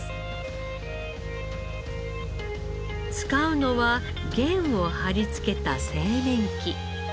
使うのは弦を張り付けた製麺機。